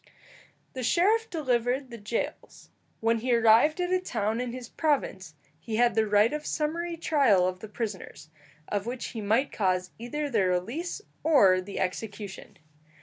The sheriff delivered the jails. When he arrived at a town in his province, he had the right of summary trial of the prisoners, of which he might cause either their release or the execution.